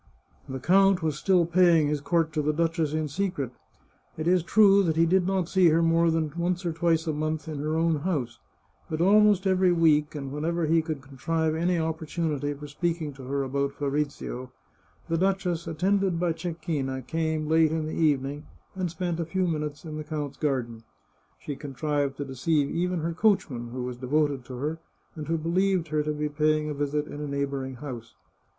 The count was still paying his court to the duchess in secret. It is true that he did not see her more than once or twice a month in her own house, but almost every week, and whenever he could contrive any opportunity for speaking to her about Fabrizio, the duchess, attended by Cecchina, came, late in the evening, and spent a few minutes in the count's garden. She contrived to deceive even her coach man, who was devoted to her, and who believed her to be paying a visit in a neighbouring house.